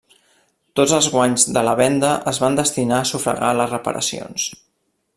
Tots els guanys de la venda es van destinar a sufragar les reparacions.